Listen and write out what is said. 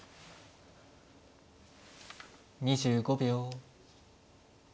２５秒。